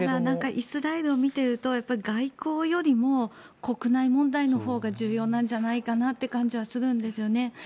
イスラエルを見ていると外交よりも国内問題のほうが重要なんじゃないかなという感じはするんですよね。